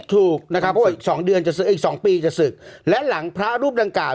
ถูกนะครับปุ๊บอีกสองเดือนอีกสองปีจะสึกแล้วหลังพระรูปดังกล่าว